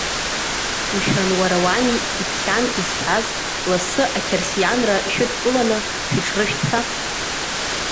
Мшәан, уара уами иԥхьан изҳәаз, лассы ақьырсианра шәыдкыланы шәыҽрышәҭ ҳәа?